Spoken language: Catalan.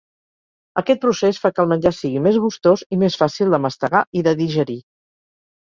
Aquest procés fa que el menjar sigui més gustós i més fàcil de mastegar i de digerir.